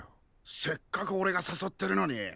せっかくおれがさそってるのに！